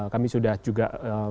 kami sudah juga